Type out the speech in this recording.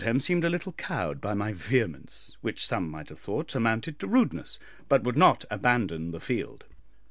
"] Lady Broadhem seemed a little cowed by my vehemence, which some might have thought amounted to rudeness, but would not abandon the field.